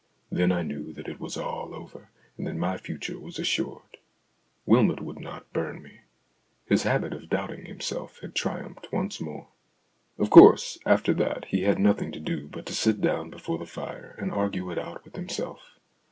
Then I knew that it was all over, and that my future was assured ; Wylmot would not burn me. His habit of doubting himself had triumphed once more. Of course, after that he had nothing to do but to sit down before the fire and argue it out with him self.